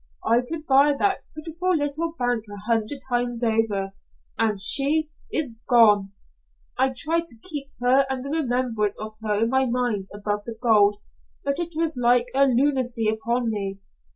"I could buy that pitiful little bank a hundred times over. And she is gone. I tried to keep her and the remembrance of her in my mind above the gold, but it was like a lunacy upon me.